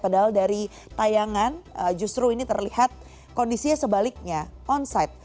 padahal dari tayangan justru ini terlihat kondisinya sebaliknya onside